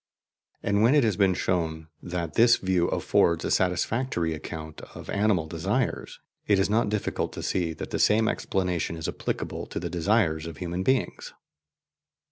And when it has been shown that this view affords a satisfactory account of animal desires, it is not difficult to see that the same explanation is applicable to the desires of human beings.